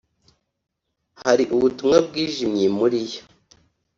Hari ubutumwa bwijimye muri yo